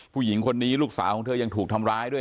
ผู้หญิงคนนี้ลูกสาวของเธอยังถูกทำร้ายด้วย